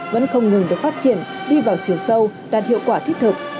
vẫn không ngừng được phát triển đi vào chiều sâu đạt hiệu quả thiết thực